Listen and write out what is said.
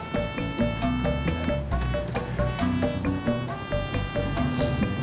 dua langkah jalan